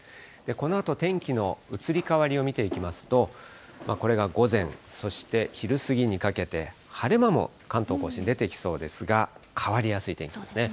このあと天気の移り変わりを見ていきますと、これが午前、そして昼過ぎにかけて晴れ間も関東甲信、出てきそうですが、変わりやすい天気ですね。